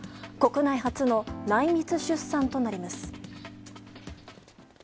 国内初の内密出産となります。